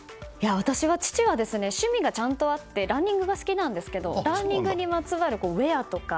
私の父は趣味がちゃんとあってランニングが好きなんですけどランニングにまつわるウェアとか。